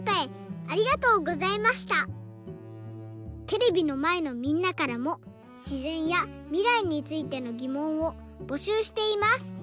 テレビのまえのみんなからもしぜんやみらいについてのぎもんをぼしゅうしています！